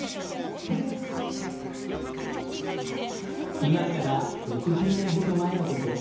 今から６０年ほど前のこと。